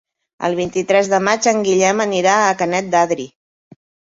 El vint-i-tres de maig en Guillem anirà a Canet d'Adri.